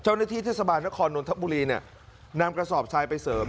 เจ้าหน้าที่เทศบาลนครนนทบุรีเนี่ยนำกระสอบชายไปเสริม